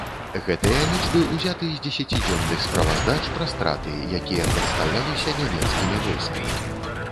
Гэтыя лічбы ўзяты з дзесяцідзённых справаздач пра страты, якія прадстаўляліся нямецкімі войскамі.